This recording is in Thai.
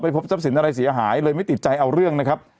พบทรัพย์สินอะไรเสียหายเลยไม่ติดใจเอาเรื่องนะครับ